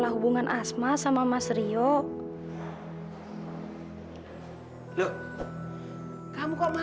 kamu bikin ganteng kenyataan aja dasar podstaw o lauten